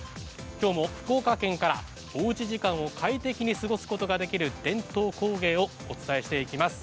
福岡県からおうち時間を快適に過ごすことができる伝統工芸をお伝えしていきます。